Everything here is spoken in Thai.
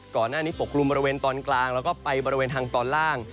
ก่อนหน้านี้ปกลุ่มบริเวณตอนกลางแล้วก็ไปบริเวณทางตอนล่าง